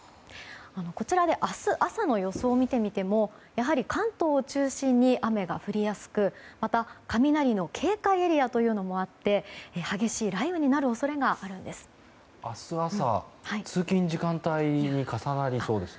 こちらで明日朝の予想を見てみてもやはり関東を中心に雨が降りやすくまた、雷の警戒エリアというのもあって激しい雷雨になる恐れがあるんです。